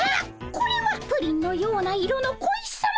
これはプリンのような色の小石さま！